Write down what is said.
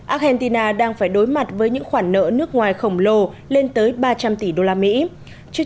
argentina đang phải đối mặt với những khoản nợ nước ngoài khổng lồ lên tới ba trăm linh tỷ usd trước